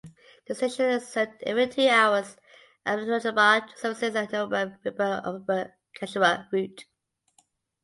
The station is served every two hours by Regionalbahn services on the Neuenburg–Freiburg(–Offenburg–Karlsruhe) route.